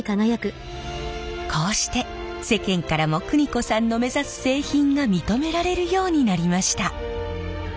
こうして世間からも邦子さんの目指す製品が認められるようになりました。